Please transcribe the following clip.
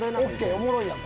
おもろいやん。